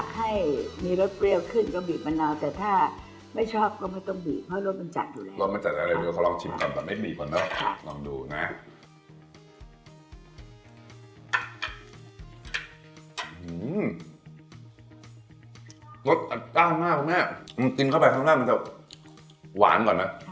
หื้มมมมรสตะตะมากครับแม่มันจิ้มเข้าไปข้างหน้ามันจะหวานก่อนป่ะ